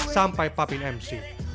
sampai papin mc